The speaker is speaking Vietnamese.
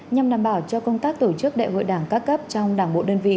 nhằm đảm bảo cho công tác tổ chức đại hội đảng các cấp trong đảng bộ đơn vị